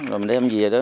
rồi mình đem về đó